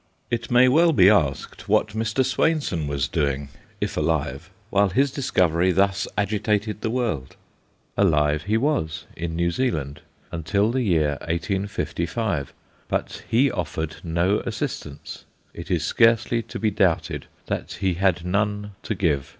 It may well be asked what Mr. Swainson was doing, if alive, while his discovery thus agitated the world. Alive he was, in New Zealand, until the year 1855, but he offered no assistance. It is scarcely to be doubted that he had none to give.